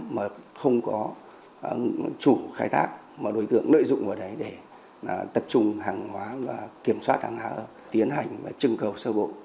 mà không có chủ khai thác mà đối tượng lợi dụng vào đấy để tập trung hàng hóa và kiểm soát hàng hóa tiến hành và trưng cầu sơ bộ